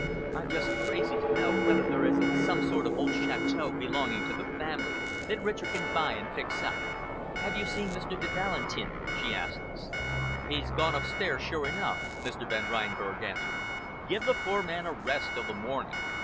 "I'm just crazy to know whether there isn't some sort of old chateau belonging to the family, that Richard can buy and fix up. Have you seen Mr. de Valentin?" she asked us. "He's gone upstairs, sure enough," Mr. Van Reinberg answered. "Give the poor man a rest till the morning.